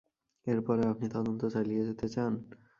এর পরেও আপনি তদন্ত চালিয়ে যেতে চান?